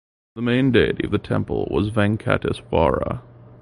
The main deity of the temple is Venkateswara.